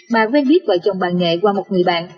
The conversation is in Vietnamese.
mà quen biết vợ chồng bà nghệ qua một người bạn